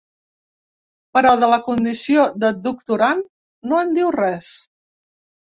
Però de la condició de doctorand, no en diu res.